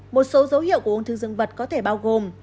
một số dấu hiệu của ung thư dương vật có thể bao gồm